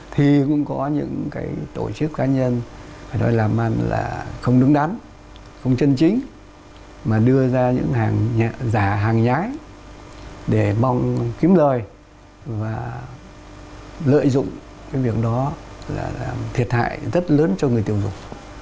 thì cũng có những tổ chức cá nhân làm ăn không đứng đắn không chân chính mà đưa ra những giả hàng nhái để mong kiếm lời và lợi dụng cái việc đó là thiệt hại rất lớn cho người tiêu dục